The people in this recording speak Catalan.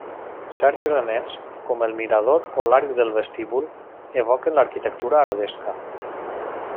Certs elements, com el mirador o l'arc del vestíbul, evoquen l'arquitectura arabesca.